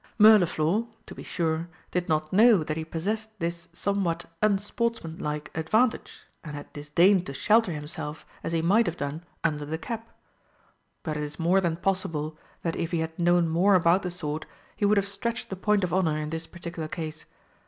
Mirliflor, to be sure, did not know that he possessed this somewhat unsportsmanlike advantage, and had disdained to shelter himself, as he might have done, under the cap. But it is more than possible that if he had known more about the sword, he would have stretched the point of honour in this particular case.